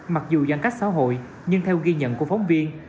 mặc dù giãn cách xã hội nhưng theo ghi nhận của phóng viên